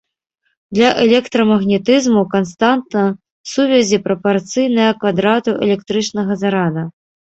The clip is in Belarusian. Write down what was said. Для электрамагнетызму канстанта сувязі прапарцыйная квадрату электрычнага зарада.